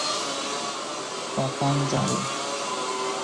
কখন যাবি?